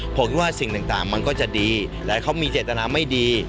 ผมคิดว่าสิ่งต่างมันก็จะดีและเขามีเจตนาไม่ดี